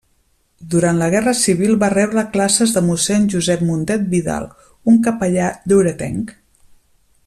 Durant la Guerra Civil va rebre classes de Mossèn Josep Mundet Vidal, un capellà lloretenc.